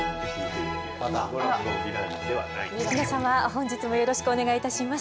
本日もよろしくお願いいたします。